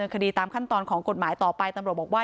ไปโบกรถจักรยานยนต์ของชาวอายุขวบกว่าเองนะคะ